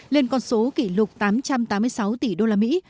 lên con số kỷ lục tám trăm tám mươi sáu tỷ đô la mỹ